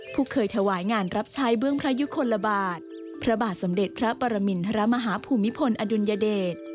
ผู้เคยถวายงานรับใช้เบื้องพระยุคลบาทพระบาทสมเด็จพระปรมินทรมาฮาภูมิพลอดุลยเดช